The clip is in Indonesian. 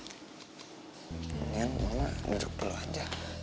mungkin mama duduk dulu aja